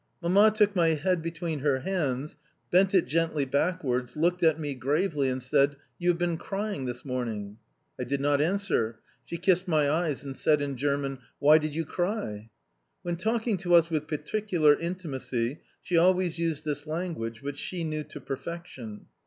Mamma took my head between her hands, bent it gently backwards, looked at me gravely, and said: "You have been crying this morning?" I did not answer. She kissed my eyes, and said again in German: "Why did you cry?" When talking to us with particular intimacy she always used this language, which she knew to perfection.